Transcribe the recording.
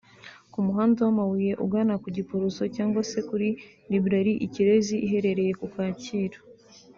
ku muhanda w’amabuye ugana mu Giporoso cyangwa se kuri Librairie Ikirezi iherereye ku Kacyiru